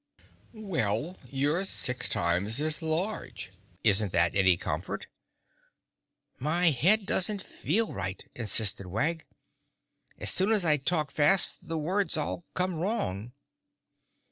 "Well, you're six times as large; isn't that any comfort?" "My head doesn't feel right," insisted Wag. "As soon as I talk fast the words all come wrong."